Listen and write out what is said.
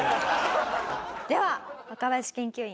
では若林研究員